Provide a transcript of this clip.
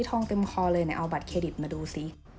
ทองเต็มคอเลยเอาบัตรเครดิตมาดูสิ